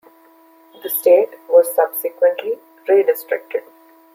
The state was subsequently redistricted.